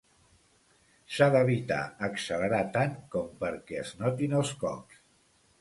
S'ha d'evitar accelerar tant com perquè es notin els cops.